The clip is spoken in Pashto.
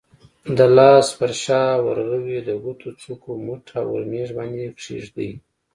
د لاس په شا، ورغوي، د ګوتو څوکو، مټ او اورمیږ باندې کېږدئ.